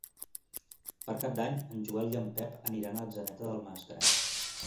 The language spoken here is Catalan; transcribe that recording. Per Cap d'Any en Joel i en Pep aniran a Atzeneta del Maestrat.